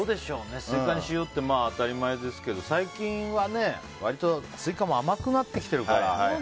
スイカに塩って当たり前ですけど最近は割とスイカも甘くなってきているから。